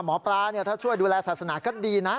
หมอปลาถ้าช่วยดูแลศาสนาก็ดีนะ